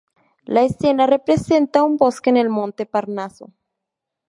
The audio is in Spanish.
La escena representa un bosque en el monte Parnaso.